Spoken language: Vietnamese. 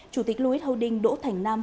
chủ tịch louis houding đỗ thành nam